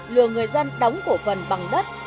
lừa người dân đóng cổ phần bằng đất